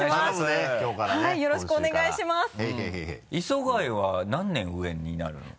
磯貝は何年上になるの？